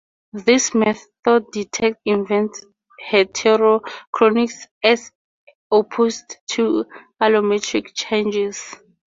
This method detects event heterochronies, as opposed to allometric changes.